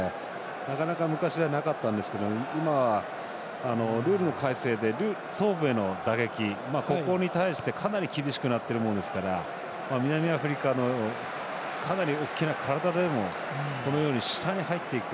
なかなか昔はなかったんですが今、ルール改正で頭部への打撃、ここに対してかなり厳しくなっているものですから南アフリカのかなり大きな体でもこのように下に入っていく。